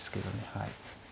はい。